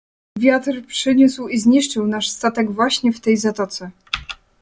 "Wiatr przyniósł i zniszczył nasz statek właśnie w tej zatoce."